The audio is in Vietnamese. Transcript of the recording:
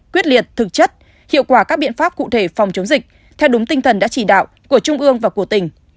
quyết liệt thực chất hiệu quả các biện pháp cụ thể phòng chống dịch theo đúng tinh thần đã chỉ đạo của trung ương và của tỉnh